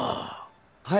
はい。